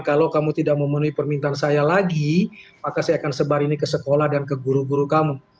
kalau kamu tidak memenuhi permintaan saya lagi maka saya akan sebar ini ke sekolah dan ke guru guru kamu